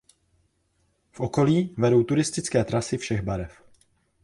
V okolí vedou turistické trasy všech barev.